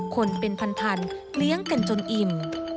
คนเป็นพันเลี้ยงกันจนอิ่ม